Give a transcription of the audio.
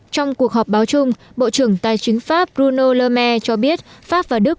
trong cuộc họp báo chung bộ trưởng tài chính pháp bruno le maire cho biết pháp và đức